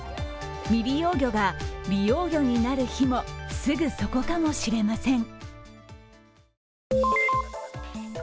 未利用魚が利用魚になる日もすぐそこかもしれません。